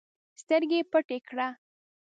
سترګي پټي کړه!